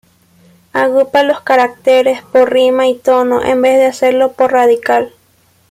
Agrupa los caracteres por rima y tono en vez de hacerlo por radical.